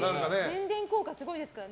宣伝効果すごいですからね。